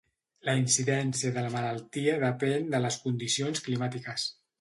La incidència de la malaltia depén de les condicions climàtiques.